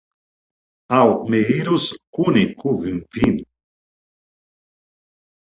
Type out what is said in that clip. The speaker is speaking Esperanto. aŭ mi iros kune kun vi.